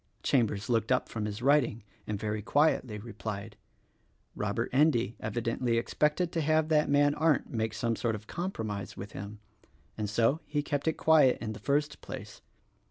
Chambers looked up from his writing and very quietly replied, "Robert Endy evidently expected to have that man Arndt make some sort of compromise with him, and so he kept it quiet in the first place.